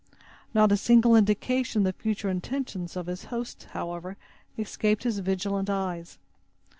Not a single indication of the future intentions of his hosts, however, escaped his vigilant eyes.